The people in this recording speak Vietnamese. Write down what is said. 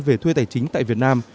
về thuê tài chính tại việt nam